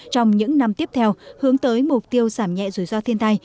trong những năm tiếp theo hướng tới mục tiêu giảm nhẹ rủi ro thiên tai